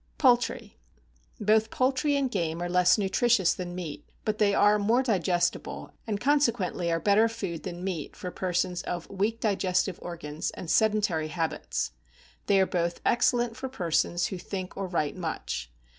=Poultry.= Both poultry and game are less nutritious than meat, but they are more digestible, and consequently are better food than meat for persons of weak digestive organs and sedentary habits. They are both excellent for persons who think or write much.